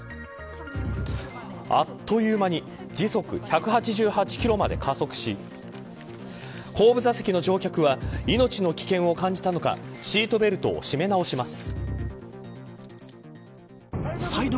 あっという間に時速１８８キロまで加速し後部座席の乗客は命の危険を感じたのかシートベルトを締め直します。